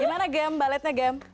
gimana gem baletnya gem